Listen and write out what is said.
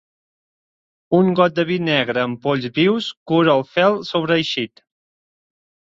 Un got de vi negre amb polls vius cura el fel sobreeixit.